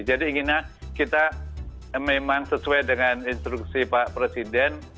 jadi inginnya kita memang sesuai dengan instruksi pak presiden